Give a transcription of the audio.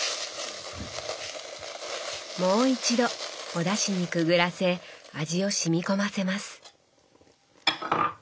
もう一度おだしにくぐらせ味をしみ込ませます。